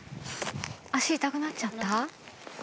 足痛くなっちゃった？